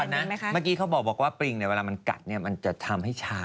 อันนี้ตอนนั้นเมื่อกี้เขาบอกว่าปริงเนี่ยเวลามันกัดเนี่ยมันจะทำให้ชา